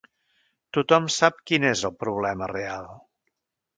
Tothom sap quin és el problema real.